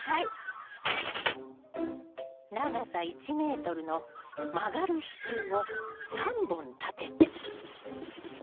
長さ１ｍの曲がる支柱を３本立てて。